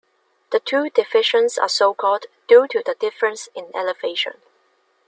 The two divisions are so-called due to the difference in elevation.